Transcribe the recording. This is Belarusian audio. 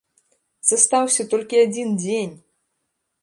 Застаўся толькі адзін дзень!